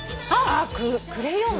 クレヨン。